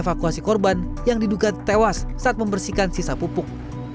evakuasi korban yang diduga tewas saat membersihkan sisa pupuk